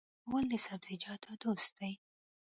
غول د سبزیجاتو دوست دی.